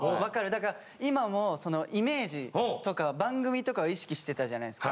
だから今もイメージとか番組とかを意識してたじゃないですか。